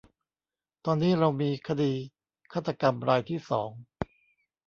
ตอนนี้เรามีคดีฆาตกรรมรายที่สอง